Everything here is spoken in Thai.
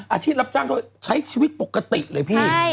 อาชีพรับจ้างด้วยใช้ชีวิตปกติเลยพี่